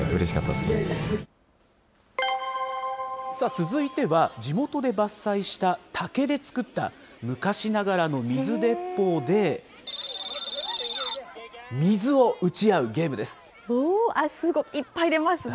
続いては、地元で伐採した竹で作った、昔ながらの水鉄砲で、すごい、いっぱい出ますね。